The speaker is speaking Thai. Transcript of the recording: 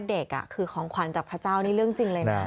เด็กคือของขวัญจากพระเจ้านี่เรื่องจริงเลยนะ